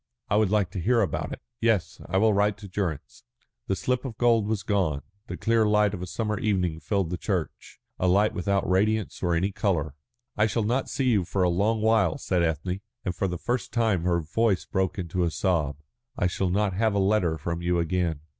I would like to hear about it." "Yes, I will write to Durrance." The slip of gold was gone, the clear light of a summer evening filled the church, a light without radiance or any colour. "I shall not see you for a long while," said Ethne, and for the first time her voice broke in a sob. "I shall not have a letter from you again."